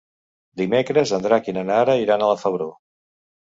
Dimecres en Drac i na Nara iran a la Febró.